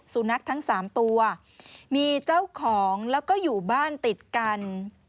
สุนัขทั้ง๓ตัวมีเจ้าของแล้วก็อยู่บ้านติดกัน